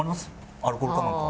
アルコールかなんか。